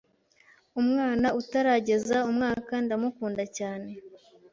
Umwana utarageza umwaka ndamukunda cyane